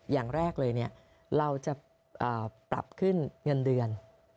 อย่างแรกเลยเราจะปรับขึ้นเงินเดือน